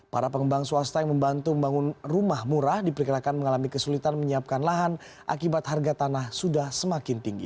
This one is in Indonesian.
para pengembang swasta yang membantu membangun rumah murah diperkirakan mengalami kesulitan menyiapkan lahan akibat harga tanah sudah semakin tinggi